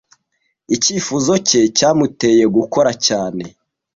Icyifuzo cye cyamuteye gukora cyane.